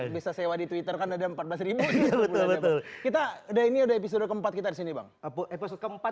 bisa sewa di twitter kan ada empat belas kita udah ini episode keempat kita sini bang episode keempat